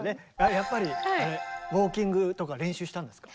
やっぱりウォーキングとか練習したんですか？